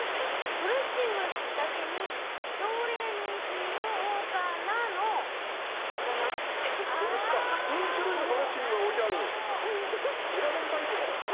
ドレッシングだけに数種類のドレッシングが置いてある、選べるタイプの。